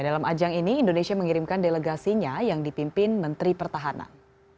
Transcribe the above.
dalam ajang ini indonesia mengirimkan delegasinya yang dipimpin menteri pertahanan